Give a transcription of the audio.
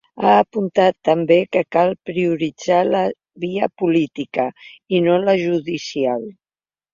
Ha apuntat també que cal “prioritzar la via política” i no la judicial.